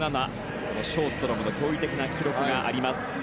ショーストロムの驚異的な記録があります。